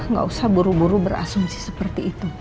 nggak usah buru buru berasumsi seperti itu